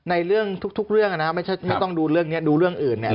ในเรื่องทุกเรื่องนะครับไม่ใช่ไม่ต้องดูเรื่องนี้ดูเรื่องอื่นเนี่ย